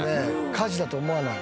火事だと思わない。